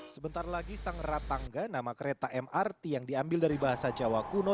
sebentar lagi sang ratangga nama kereta mrt yang diambil dari bahasa jawa kuno